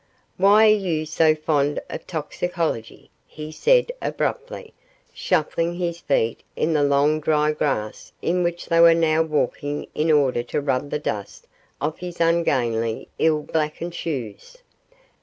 'Why are you so fond of toxicology?' he said, abruptly, shuffling his feet in the long dry grass in which they were now walking in order to rub the dust off his ungainly, ill blacked shoes.